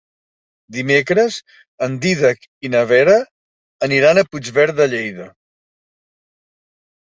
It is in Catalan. Dimecres en Dídac i na Vera aniran a Puigverd de Lleida.